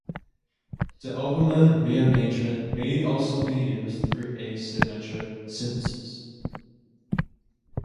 The Overman rearrangement may also be used for asymmetric synthesis.